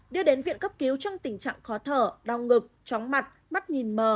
đưa đến viện cấp cứu trong tình trạng khó thở đau ngực chóng mặt mắt nhìn mờ